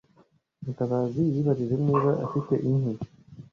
Mutabazi yibajije niba afite inkwi